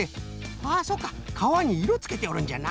はそうかかわにいろつけておるんじゃな。